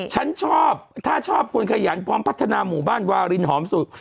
ฉันชอบถ้าชอบคนขยันพร้อมพัฒนาหมู่บ้านวารินหอมสุก